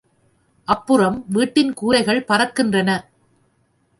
அப்புறம் வீட்டின் கூரைகள் பறக்கின்றன.